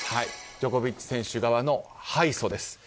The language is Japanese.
ジョコビッチ選手側の敗訴です。